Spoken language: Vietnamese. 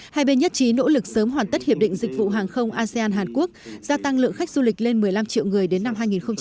hai bên nhất trí nỗ lực sớm hoàn tất hiệp định dịch vụ hàng không asean hàn quốc gia tăng lượng khách du lịch lên một mươi năm triệu người đến năm hai nghìn hai mươi